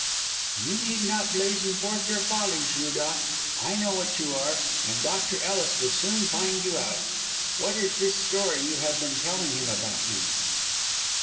"You need not blazon forth your follies, Rudolph. I know what you are; and Dr. Ellis will soon find you out. What is this story you have been telling him about me?"